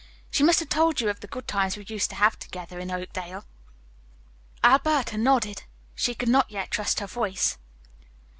She must have told you of the good times we used to have together in Oakdale." Alberta nodded. She could not yet trust her voice.